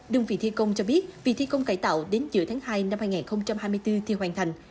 đơn vị thi công cho biết vì thi công cải tạo đến giữa tháng hai năm hai nghìn hai mươi bốn thì hoàn thành